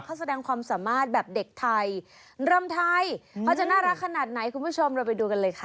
เขาแสดงความสามารถแบบเด็กไทยรำไทยเขาจะน่ารักขนาดไหนคุณผู้ชมเราไปดูกันเลยค่ะ